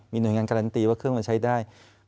มีหน่วยงานการันตีว่าเครื่องมันใช้ได้